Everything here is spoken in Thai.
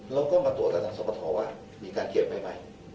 เราก็มาตรวจสถานสมทวรว่ามีการเก็บไหม